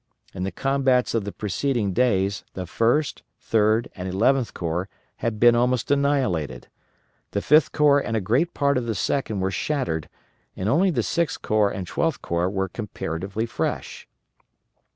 In the combats of the preceding days, the First, Third, and Eleventh Corps had been almost annihilated; the Fifth Corps and a great part of the Second were shattered, and only the Sixth Corps and Twelfth Corps were comparatively fresh.